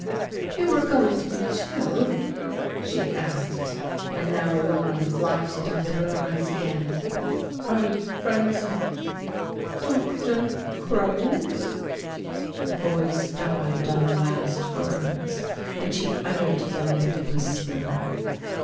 "You were going to Beech Hill?" she asked, and now alarm lighted up in her eyes again. " Are you friends of Doctor Crow's?" Her voice died on the last words and she uttered them with a whisper.